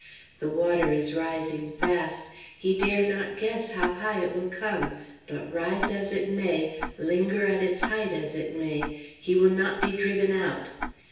The water is rising fast. He dare not guess how high it will come; but rise as it may, linger at its height as it may, he will not be driven out.